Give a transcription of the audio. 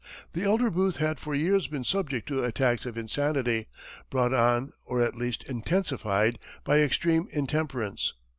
The elder Booth had for years been subject to attacks of insanity, brought on, or at least intensified, by extreme intemperance.